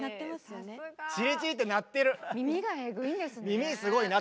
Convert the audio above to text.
耳すごいね。